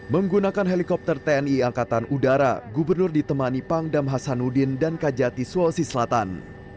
menggunakan helikopter tni angkatan udara gubernur ditemani pangdam hasanuddin dan kajati sulawesi selatan